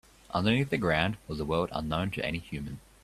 Underneath the ground was a world unknown to any human.